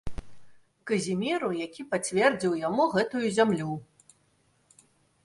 Казіміру, які пацвердзіў яму гэтую зямлю.